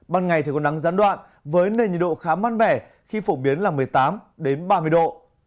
ban ngày thì có nắng gián đoạn với nền nhiệt độ khá mát mẻ khi phổ biến là một mươi tám ba mươi độ